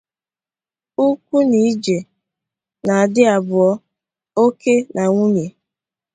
'Ụkwụ na ije' na-adị abụọ — oke na nwunye